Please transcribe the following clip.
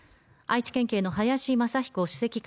愛知県警の林昌彦首席